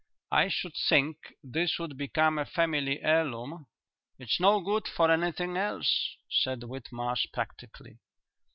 "I should think this would become a family heirloom." "It's no good for anything else," said Whitmarsh practically.